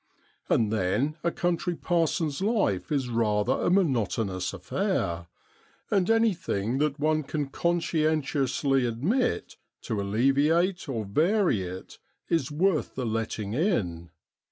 And then a country parson's life is rather a monotonous affair; and anything that one can conscientiously admit to alleviate or vary it is worth the letting in.